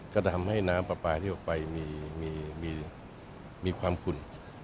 ก็ทำให้น้ำปลาปลาที่ออกไปมีความขุ่น